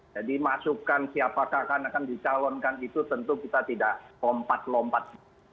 jadi masukkan siapakah akan dicalonkan itu tentu kita tidak lompat lompat